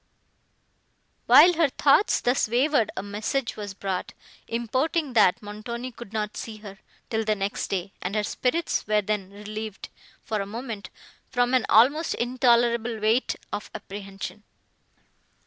While her thoughts thus wavered, a message was brought, importing, that Montoni could not see her, till the next day; and her spirits were then relieved, for a moment, from an almost intolerable weight of apprehension.